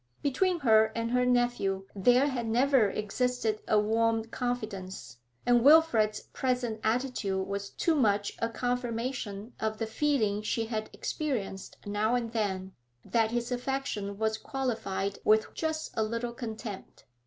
Between her and her nephew there had never existed a warm confidence, and Wilfrid's present attitude was too much a confirmation of the feeling she had experienced now and then, that his affection was qualified with just a little contempt.